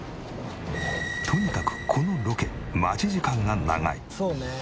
とにかくこのロケ待ち時間が長い。